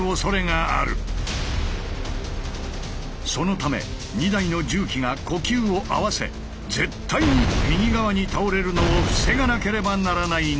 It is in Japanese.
そのため２台の重機が呼吸を合わせ絶対に右側に倒れるのを防がなければならないのだ。